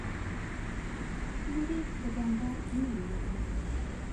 فلیریک په ډنډه مړي وهل.